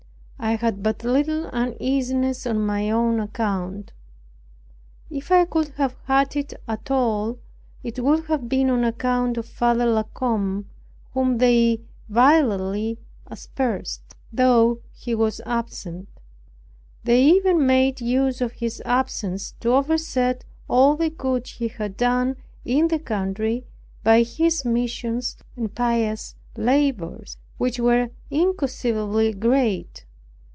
I had but little uneasiness on my own account. If I could have had it at all, it would have been on account of Father La Combe, whom they vilely aspersed, though he was absent. They even made use of his absence, to overset all the good he had done in the country, by his missions and pious labors, which were inconceivably great.